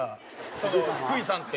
その福井さんって。